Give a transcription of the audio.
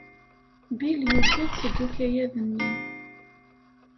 Bill yuggad seg ukayad-nni.